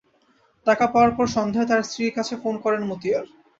টাকা পাওয়ার পর সন্ধ্যায় তাঁর স্ত্রীর কাছে ফোন করেন মতিয়ার।